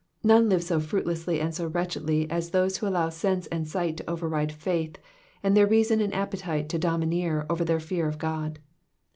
None live so fruitlessly and so wretchedly as those who allow sense and sight to override faith, and their reason and appetite to domineer over their fear of God.